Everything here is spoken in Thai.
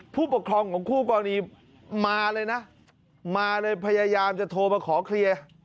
ผู้ปกครองของคู่กรณีมาเลยนะมาเลยพยายามจะโทรมาขอเคลียร์